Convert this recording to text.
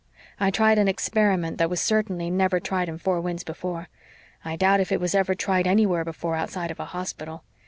I tried an experiment that was certainly never tried in Four Winds before. I doubt if it was ever tried anywhere before outside of a hospital.